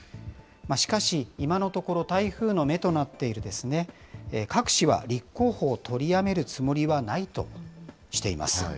しかし今のところ、台風の目となっている郭氏は立候補を取りやめるつもりはないとしています。